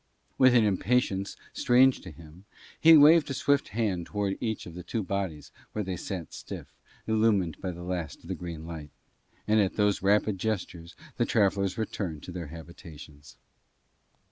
With an impatience strange to him he waved a swift hand towards each of the two bodies where they sat stiff, illumined by the last of the green light; and at those rapid gestures the travellers returned to their habitations.